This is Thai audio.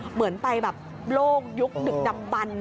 เหมือนไปโลกยุคหนึ่งดำบัน